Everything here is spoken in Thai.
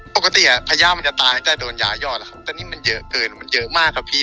ปกติพญามันจะตายตั้งแต่โดนยายอดแล้วครับแต่นี่มันเยอะเกินมันเยอะมากครับพี่